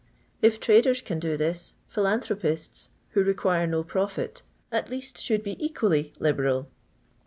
Jf tracers can do tJiiSf philanthropists f ftho require no profit, at least should he equally liberal.